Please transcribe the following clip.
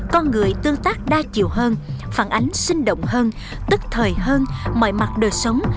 con người tương tác đa chiều hơn phản ánh sinh động hơn tức thời hơn mọi mặt đời sống